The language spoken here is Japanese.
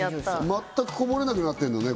もう全くこぼれなくなってんのね